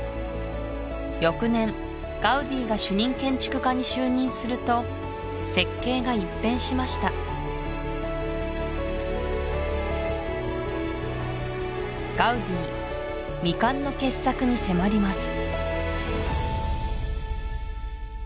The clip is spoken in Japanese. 翌年ガウディが主任建築家に就任すると設計が一変しましたに迫ります